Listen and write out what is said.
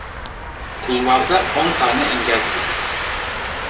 Kulvarda on tane engel kuruldu.